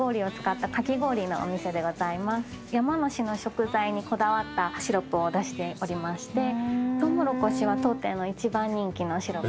山梨の食材にこだわったシロップを出しておりましてとうもろこしは当店の一番人気のシロップになってます。